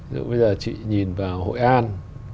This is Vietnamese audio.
ví dụ bây giờ chị nhìn vào hội an